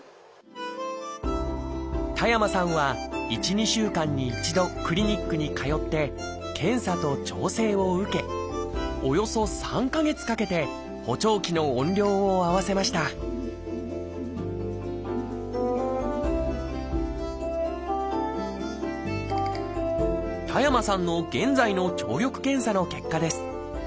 田山さんは１２週間に１度クリニックに通って検査と調整を受けおよそ３か月かけて補聴器の音量を合わせました田山さんの現在の聴力検査の結果です。